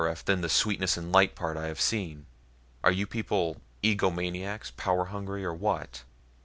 F. than the sweetness and light part I have seen. Are you people egomaniacs, power hungry or what?"